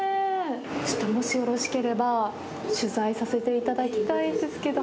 ちょっと、もしよろしければ取材させていただきたいんですけど。